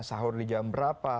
sahur di jam berapa